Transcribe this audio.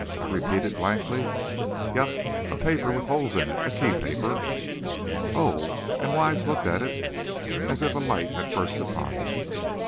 I repeated, blankly. "Yep! A paper with holes in it, a key paper." "Oh!" and Wise looked as if a light had burst upon him.